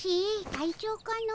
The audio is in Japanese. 隊長かの？